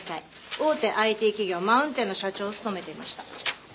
大手ＩＴ企業マウンテンの社長を務めていました。